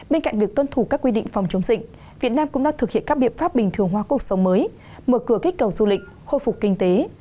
bên cạnh việc tuân thủ các quy định phòng chống dịch việt nam cũng đã thực hiện các biện pháp bình thường hoa cuộc sống mới mở cửa kích cầu du lịch khôi phục kinh tế